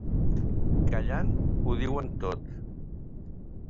Callant ho diuen tot.